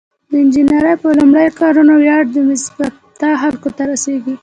د انجنیری د لومړنیو کارونو ویاړ د میزوپتامیا خلکو ته رسیږي.